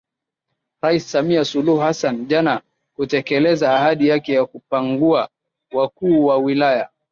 Rais Samia Suluhu Hassan jana kutekeleza ahadi yake ya kupangua wakuu wa wilaya